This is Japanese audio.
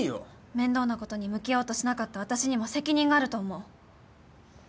面倒なことに向き合おうとしなかった私にも責任があると思う